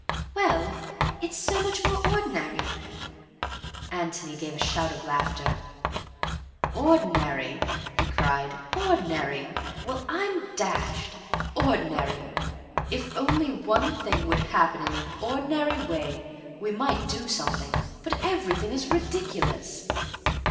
"Well, it's so much more ordinary." Antony gave a shout of laughter. "Ordinary!" he cried. "Ordinary! Well, I'm dashed! Ordinary! If only one thing would happen in an ordinary way, we might do something, but everything is ridiculous."